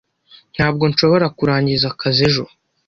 Ntabwo nshobora kurangiza akazi ejo.